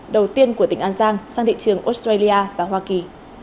đầu tiên của tỉnh an giang sang thị trường australia và hoa kỳ